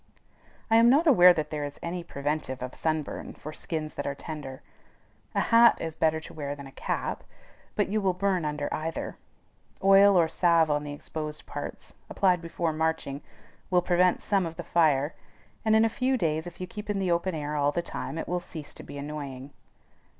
I am not aware that there is any preventive of sunburn for skins that are tender. A hat is better to wear than a cap, but you will burn under either. Oil or salve on the exposed parts, applied before marching, will prevent some of the fire; and in a few days, if you keep in the open air all the time, it will cease to be annoying.